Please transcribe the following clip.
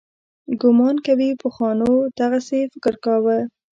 ګومان کوي پخوانو دغسې فکر کاوه.